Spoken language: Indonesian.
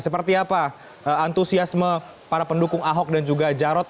seperti apa antusiasme para pendukung ahok dan juga jarot